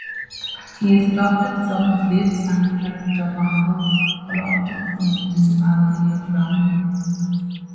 He is adopted son of Late Senator Domocao Alonto from municipality of Ramian.